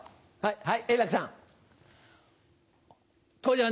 はい。